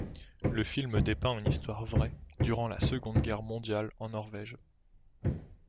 Le film dépeint une histoire vraie, durant la Seconde Guerre mondiale en Norvège.